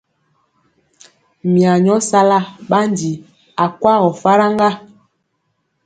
Mya nyɔ sala ɓandi akwagɔ falk ŋga.